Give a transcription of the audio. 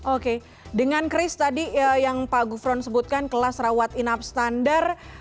oke dengan kris tadi yang pak gufron sebutkan kelas rawat inap standar